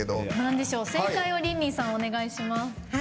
正解をリンリンさんお願いします。